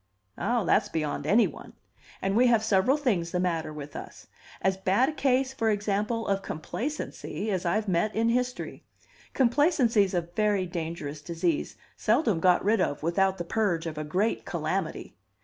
"Ah, that's beyond any one! And we have several things the matter with us as bad a case, for example, of complacency as I've met in history. Complacency's a very dangerous disease, seldom got rid of without the purge of a great calamity.